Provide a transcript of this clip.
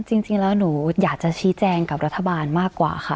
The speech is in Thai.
จริงแล้วหนูอยากจะชี้แจงกับรัฐบาลมากกว่าค่ะ